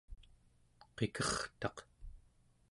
qikertaq